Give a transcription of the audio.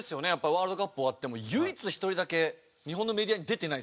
ワールドカップ終わっても唯一１人だけ日本のメディアに出てない選手ですから。